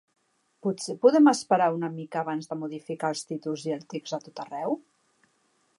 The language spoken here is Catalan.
Potser podem esperar una mica abans de modificar els títols i el text a tot arreu?